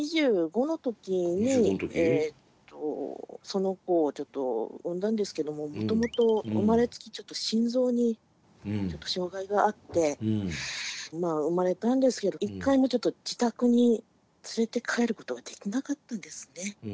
その子をちょっと産んだんですけどももともと生まれつきちょっと心臓にちょっと障害があってまあ生まれたんですけど一回もちょっと自宅に連れて帰ることができなかったんですね。